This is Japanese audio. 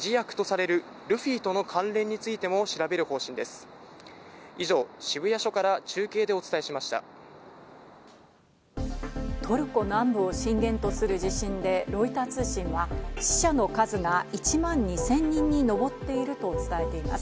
トルコ南部を震源とする地震で、ロイター通信は死者の数が１万２０００人にのぼっていると伝えています。